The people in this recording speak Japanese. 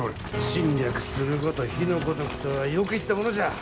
「侵略すること火の如く」とはよく言ったものじゃ。